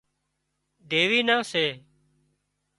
ڌيوِي نان سي